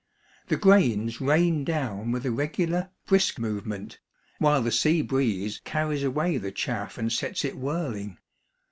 The grains rain down with a regular, brisk 286 Monday Tales. movement, while the sea breeze carries away the chafif and sets it whirling.